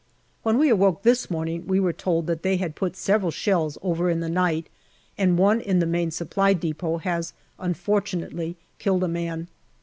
When we awoke this morning we were told that they had put several shells over in the night, and one in the Main Supply depot has unfortunately killed a man.